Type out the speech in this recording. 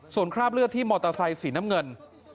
ส่วนคราบเลือดที่มอเตอร์ไซค์สีน้ำเงิน